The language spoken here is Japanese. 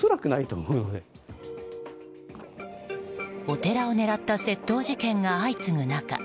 お寺を狙った窃盗事件が相次ぐ中